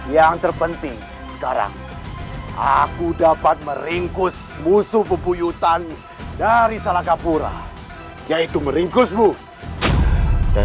yang terpenting sekarang aku dapat meringkus musuh pepuyutan dari salakapura yaitu meringkusmu dan